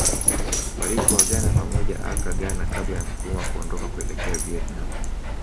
Walipoagana pamoja Accra Ghana kabla ya Nkrumah kuondoka kuelekea Vietnam